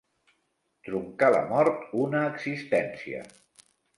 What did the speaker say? Truncar la mort una existència.